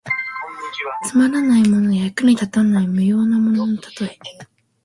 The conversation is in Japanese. つまらないものや、役に立たない無用なもののたとえ。